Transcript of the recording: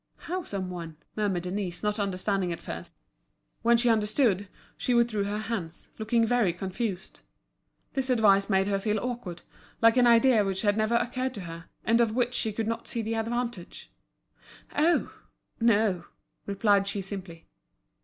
"How some one?" murmured Denise, not understanding at first. When she understood, she withdrew her hands, looking very confused. This advice made her feel awkward, like an idea which had never occurred to her, and of which she could not see the advantage. "Oh! no," replied she simply.